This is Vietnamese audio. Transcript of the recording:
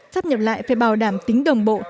sắp nhập lại phải bảo đảm tính đồng bộ